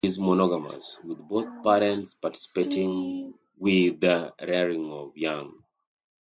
It is monogamous, with both parents participating the rearing of young.